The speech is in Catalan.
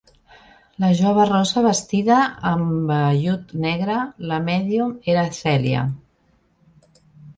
La jove rossa vestida amb vellut negre, la mèdium, era Cèlia.